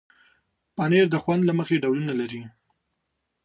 پنېر د خوند له مخې ډولونه لري.